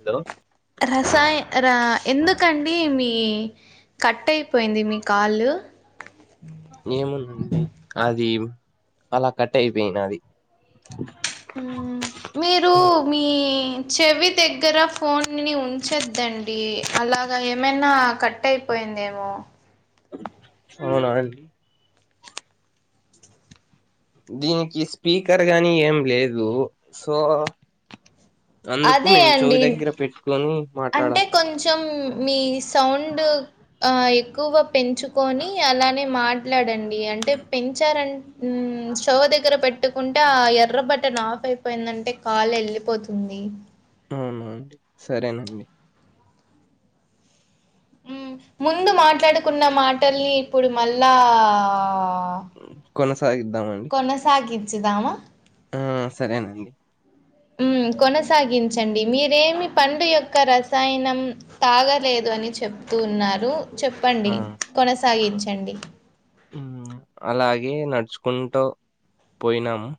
Hello రాసాయి రా ఎందుకండి మీ కట్ అయిపోయింది మీ కాలు ఏముందండి అది అలా కట్ అయిపోయినా అది హమ్ మీరు మీ చెవి దగ్గర ఫోన్ ని ఉంచొద్దండి అలాగ ఏమైనా కట్ అయిపోయిందేమో అవునాండి దీనికి స్పీకర్ గానీ ఏం లేదు సో అందుకు అదే మేము చెవి అండి దగ్గర పెట్టుకొని మాట్లాడ అంటే కొంచెం మీ సౌండు ఎక్కువ పెంచుకొని అలానే మాట్లాడండి అంటే పెంచారంట స్టవ్ దగ్గర పెట్టుకుంటే ఆ ఎర్ర బటన్ ఆఫ్ అయిపోయిందంటే కాళ్ల ఎళ్ళిపోతుంది అవున సరేనండి ముందు మాట్లాడుకున్న మాటల్ని ఇప్పుడు మళ్ళా కో కొనసాగిద్దామండి చ్చదామా ఆ సరేనండి కొనసాగించండి మీరేమి పండు యొక్క రసాయనం తాగలేదు అని చెప్తూ ఉన్నారు చెప్పండి ఆ కొనసాగించి అండి అలాగే నడుచుకుంటూ పోయినాము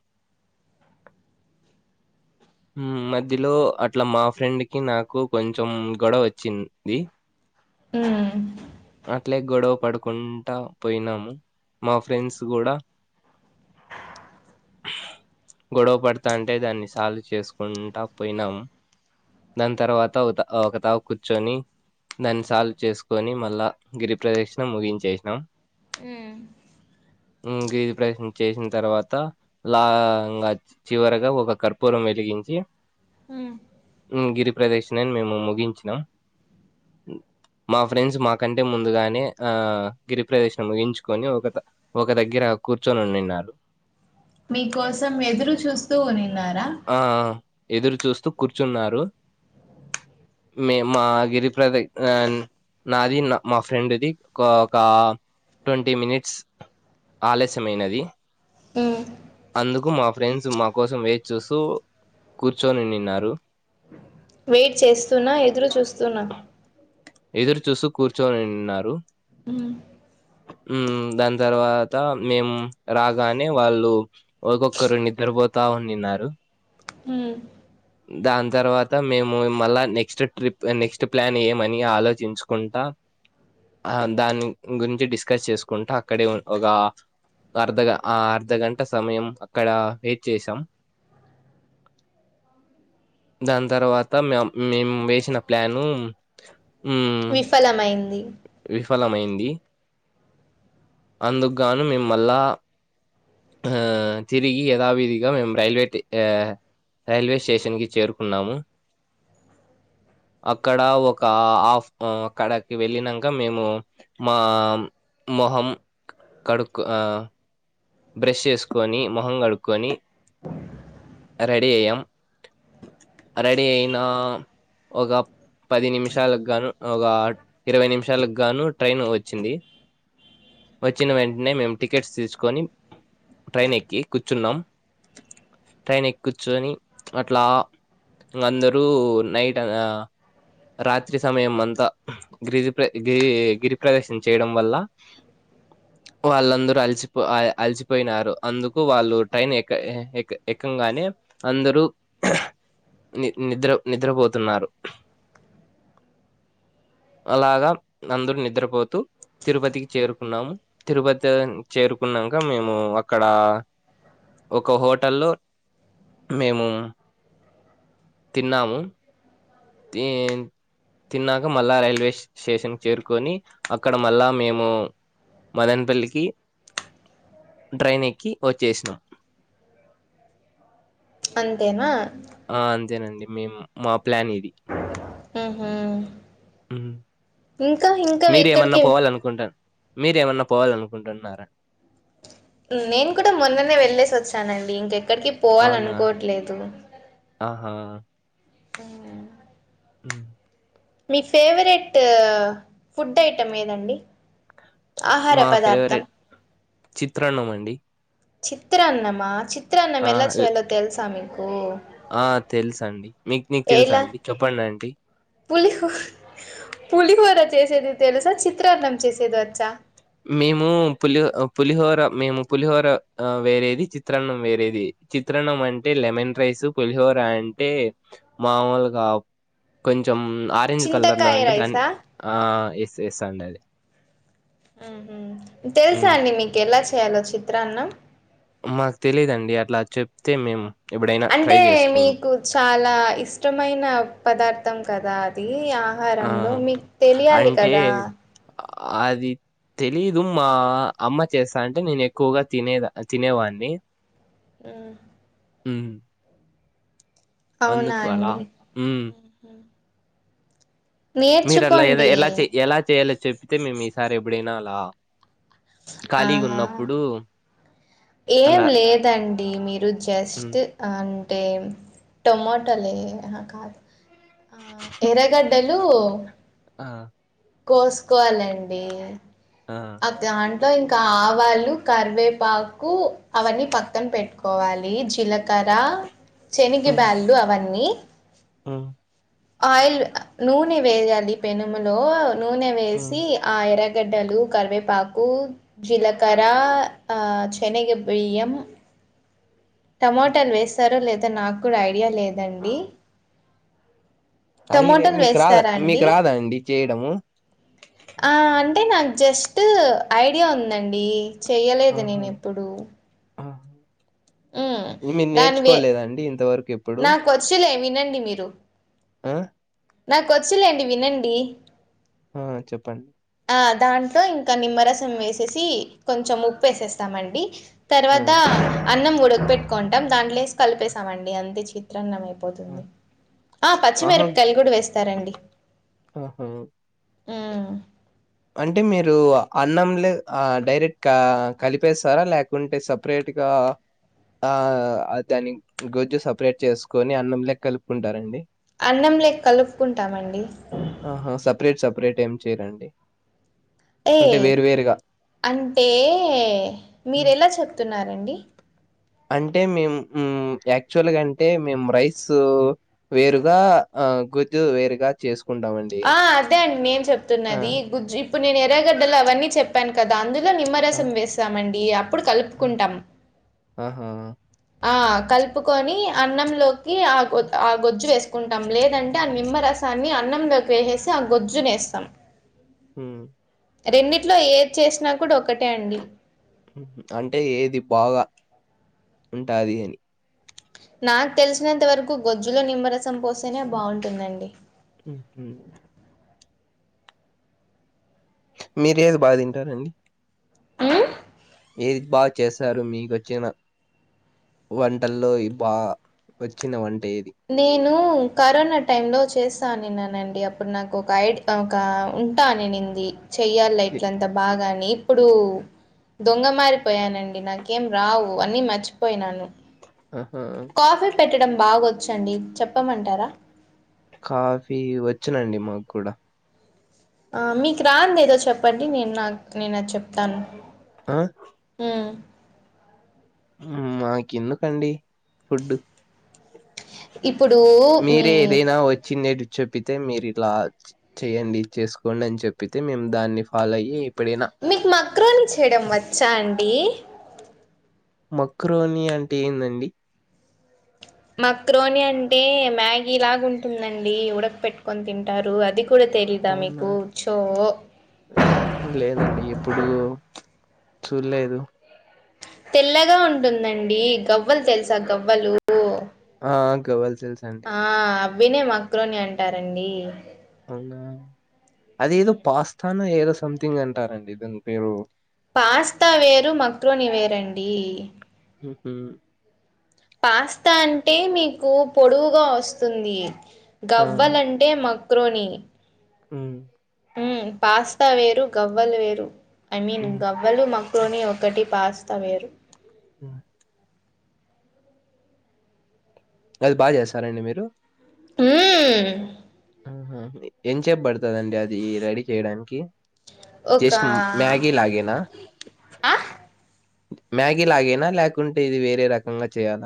మధ్యలో అట్లా మా ఫ్రెండ్కి నాకు కొంచెం గొడవ వచ్చింది ఊ అట్లే గొడవ పడుకుంటా పోయినాము. మా ఫ్రెండ్స్ కూడా గొడవ పడతా అంటే దాన్ని సాల్వ్ చేసుకుంటా పోయినాము. దాని తర్వాత ఒక ఒక తా కూర్చొని దాన్ని సాల్వ్ చేసుకొని మళ్ళా. గిరి ప్ర్రదక్షణ ముగించేసినాం. ఊ గిరిప్రదిక్షణ చేసిన తర్వాత లాగా చివరగా ఒక కర్పూరం వెలిగించి ఆ గిరి ప్రదేశని మేము ముగించినాం మా ఫ్రెండ్స్ మా కంటే ముందుగానే ఆ గిరి ప్రదేశం ముగించుకొని ఒక ఒక దగ్గర కూర్చొని నిన్నాడు మీ కోసం ఎదురు చూస్తూ ఉనిన్నారు ఆ ఎదురు చూస్తూ కూర్చున్నారు మే మా గిరిప్రద నాది నా మా ఫ్రెండ్ది ఒక ఒక ట్వంటీ మినిట్స్ ఆలస్యమైనది హ్మ్. అందుకు మాపు ఫ్రెండ్స్ మా కోసం వే చూసుూ కూర్చొని నిన్నారు వెయిట్ చేస్తున్నా. ఎదురు చూస్తున్నా. ఎదురు చూస్త కూర్చొనిన్నారు హ్మ్. దాని తర్వాత మేము రాగానే వాళ్ళు ఒక్కొక్కరు నిద్రపోతా ఉనిన్నారు హ్మ్. దాని తర్వాత మేము మళ్ళా నెక్స్ట్ ట్రిప్ నెక్స్ట్ ప్లాన్ ఏమని ఆలోచించుకుంటా ఆ దాని గురించి డిస్కస్ చేసుకుంటా అక్కడ ఒక అర్ధ ఆ అర్ధ గంట సమయం అక్కడ వెయిట్ చేసాం దాని తర్వాత మ మేము వేసిన ప్లాను మ్మ్ విఫలమైంది. విఫలమైంది. అందుకుగాను మిమ్మల్లా ఆ తిరిగి యధావిధిగా మేము రైల్వే యా రైల్వే స్టేషన్ కి చేరుకున్నాము. అక్కడ ఒక ఆఫ్ అక్కడకి వెళ్ళినంక మేము మా మొహం కడుక్ ఆ బ్రష్ చేసుకొని మొహం కడుక్కకొని రెడీ అయ్యం. రెడి అయినా ఒక పది నిమిషాలకు గాను ఒక ఇరవై నిమిషాలకు గాను ట్రైన్ వచ్చింది. వచ్చిన వెంటనే మేము టికెట్స్ తీసుకొని ట్రైన్ ఎక్కి కూర్చున్నాం. ట్రైన్ ఎక్కి కూర్చుని అట్లా అందరూ నైట్ రాత్రి సమయం అంతా గిరి ప్రదక్షిణ చేయడం వల్ల వాళ్ళందరూ అలిసిపో అలిసిపోయినారు అందుకు వాళ్ళు ట్రైన్ ఎ ఎ ఎక్కంగానే అందరూ హహ్ ని నిద్ర నిద్రపోతున్నారు. అలాగా అందరు నిద్రపోతూ తిరుపతికి చేరుకున్నాము. తిరుపతి చేరుకున్నా మేము అక్కడ ఒక హోటలో మేము తిన్నాము. తి తిన్నాక మళ్ళా రైల్వే స్టేషన్ చేరుకొని అక్కడ మళ్ళా మేము మదన్పల్లికి ట్రైన్ ఎక్కి వచ్చేసినాం. అంతేనా ఆ అంతేనండి మేము మా ప్లాన్ ఇది. హా ఊ మీరేమన్నా ఎక్కడికి పోవాల అనుకుంటా మీరేమన్నా పోవాలనుకుంటూనార నేను కూడా మొన్ననే వెళ్లేేసి వచ్చానండి ఇంక అక్కడికి అవునా పోవాలనుకోవట్లేదు. ఆహా ఊ [unintelligible] మీ ఫేవరెట్ ఫుడ్ ఐటెమ్ ఏదండి. ఆహార మా పదార్థం ఫేవరెట్ చిత్రాన్నం అండి. చిత్రన్నమా చి చిత్రనం మెలా ఆ చేయలో తెల్సా మీకు ఆ తెలుసండి మీకు మీకు తెలుసా ఎళ అండి చెప్పండి అంటీ పులి హ పులిహోర చేసేది తెలుసా, చిత్రాన్నం చేసేది వచ్చా. మేము పులిహ పులిహోర మేము పులిహోర వేరేది, చిత్రాన్నం వేరేది, చిత్రాన్నం అంటే లెమన్ రైస్ పులిహోర అంటే మామూలుగా కొంచం కొంచెం ఆరెంజ్ కలర్ లో చింతకాయ అంటే దాన్ని రైసా ఆ [unintelligible] సండే అది హ్మ్ ఉ తెల్సా హ్మ్ అండి మీక్ ఎలా చే చేయాలో చిత్రాన్నం మాకు తెలిదండి. అట్లా చెప్తే మేమ్ అంటే మీకు చాలా ఇష్టమైన పదార్థ దం కదా అది ఈ ఆ ఆహారంలో మీకు తెలియాలి అంటే కదా. అది తెలీదు మా అమ్మ చేస్తా అంటే నేను ఎక్కువగా తినేద తినేవాడిని. ఉ ఉ అవునా వందుకోలా అండి ఉ మీరు అలా ఏదో నేర్చుకోండి ఎలా ఎలా చేయాలో చెప్పితే మేము ఈసారి వినాలా ఆ ఏం అలా లేదండి. మీరు హ్మ్. జస్ట్ అ అంటే టమాటలే హే కాదు ఆ ఎరగడ్డ హలో ఆ కోసుకోవాలండి. ఆ దాంట్లో ఇంకా ఆవాలు, కరివేపాకు అవన్నీ పక్కన పెట్టుకోవాలి. జీలకర్ర శనగి హ్మ్. బ్యాల్లు అవన్నీ హ్మ్ ఆయిల్ నూనె వేయాలి. పెనుములో నూనె హ్మ్. వేసి ఆ ఎర గడ్డలు, కరివేపాకు కు జీలకరా, శెనగబియ్యం టమాటాలు వేస్తారో లేదా నాకు కూడా ఐడియా లేదండి. అయినే టమోటాలు మీకు రాదా వేస్తారా అండి? మీకు రాదా అండి చేయడము. ఆ అంటే నాకు జస్ట్ ఐడియా ఉందండి. చెయలేదు నేను ఎప్పుడు ఆ ఇన్ని నేర్చుకోలేదండి. ఇంతవరకు ఎప్పుడు? నా వంచులే వినన్ [unintelligible] మీరు ఆ నాక వచ్చులేండి వినండి. ఆ చెప్పన్ ఆ దాంట్లో ఇంక నిమ్మరసం వేసేసి, కొంచెం ఉప్పు వేసేస్తామండి. ఆ! తర్వాత అన్నం ఉడుకు పెట్టుకుంటాం దాంట్లే కలిపేసా మండి అంతే చిత్రాన్నాం ఏ ఆ! ఆహా! పచ్చిమిరపికాయలు కూడా వేస్తారండి. ఆహా! హ్మ్ అంటే మీరు అన్నంలే డైరెక్ట్గా కలిపేస్తారా లేకుంటే సపరేట్గా ఆ దాని గొజ్జు సపరేట్ చేసుకొని అన్నంలే కలుపుకుంటారండి. అన్నం లే కలుపుకుంటామండి. ఇంట్లో ఏమ్ చేయరండి. ఏ అంటే వేరు వేరుగా. అంటే మీరు హ్మ్. ఎలా చెప్తున్నారండి. అంటే మేము యాక్చువల్గా అంటే మేము రైస్ వేరుగా ఆ గుజ్జు వేరుగా చేసుకు ఆ అదే నేం ఆ! చెప్తున్నది గుజ్జు ఇప్పుడు నేను ఎర్రగడ్డలు అవన్నీ చెప్పాను కదా అందు లో ఆ! నిమ్మరసం వేసామం యి అ ప్పుడు ఆ! కల్పుకుంటాం ఆహా! ఆ కల్పుకొని అన్నంలోకి ఆ గొ ఆ గొజ్జు వేసుకుంటాం. లేదంటే ఆ నిమ్మరసాన్ని అన్నంలోకి వేసేసి ఆ గొజ్జునేస్తాం. హ్మ్ రెండిట్లో ఏది చేసినా కూడా ఒకటే అండి. హ్మ్ హు అంటే ఏది బాగా ఉంటాది అని! నాకు తెలిసినంత వరకు గొజ్జులో నిమ్మరసం పోస్తేనే బాగుంటుందండి. హ్మ్ హు మీరేది బాగ తింటారండి? మ్మ్ ఏది బాగా చేస్తారు మీకు వచ్చిన వంటల్లో బా వచ్చిన వం ఏదీ నూ కరోనా టైమ్ లో చేస్తానిననండి అప్పుడు నాకు ఒక ఐడి ఒక ఉంటానినింది. చెయ్యాలి ఎ ఇట్ల అంతా బాగా అనీ ఇప్పుడు దొంగ మారిపోయానండి నాకేం రావు అన్నీ మర్చిపోయినాను. ఆ హా కాఫీ పెట్టడం బాగొచ్చండి చెప్పమంటారా? కాఫీ వచ్చునండి మాకు కూడా. ఆ మీకు రాంది ఏదో చెప్పండి నేను నాకునే నేను అది చెప్తాను ఆ హ్మ్ మాకేందుకండి ఫుడ్ ఇప్పుడూ మీ చెపితే మీరు ఇలా చి చేయండి చేసుకోండి అని చెపితే మేము దాన్ని ఫాలో అయ్యి ఎప్పుడైనా మీకు మక్రోని చేయడం వచ్చా అండీ? మక్రోని అంటే ఏందండి? మక్రోని అంటే మ్యాగీ లాగా ఉంటుందండి ఉడక పెట్టుకొని తింటారు అది కూ అవునా లేదండి ఎప్పుడు చూల్లేదు. తెల్లగా ఉంటుందండి గవ్వలు తెలుసా గవ్వలూ ఆఆ గవ్వల్ ఆ అ వినే మక్రోని అంటారండీ. అవునా అదేదో పాస్తా ఏదో సంథింగ్ అంటారండి దాని పేరు పాస్తా వేరు మక్రోని వేరండీ హ్మ్ హు పాస్తా అంటే మీకు పొడువుగా వొస్తుంది ఆ గవ్వలంటే మ క్రోనీ హ్మ్. హ్మ్ పాస్తా వేరు గవ్వల్ వేరు ఐ మీన్ హ్మ్. గవ్వలు మ క్రోని ఒకటి పాస్తా వేరు హ్మ్ అది బా జెస్తారండి మీరు హ్మ్మ్ హ్మ్ హు ఎంచేపడుతదండి అది రెడీ చేయడానికి ఒక జెస్ట్ మ్యాగీలాగేనా ఆ మ్యాగి లాగేనా లేకుంటే ఇది వేరే రక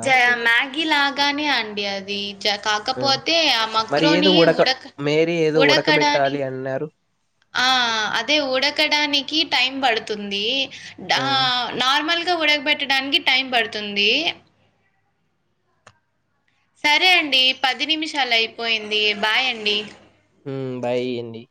జ మ్యాగీ లాగానే అండి అ ది జ ఆ! కాకపోతే ఆ మరి మక్రోని ఏదో ఉడక మేరీ ఏదో ఉడకడాని ఉడకబెట్టాలి అన్నారు? ఆ అదే ఉడకడానికి టైం పడుతుంది డా ఆ! నార్మల్ ఉడక బెట్టడానికి టైం పడుతుంది సరే అండి పది నిమిషాలు అయిపోయింది బాయ్ అండి హ్మ్ బాయియ్యండి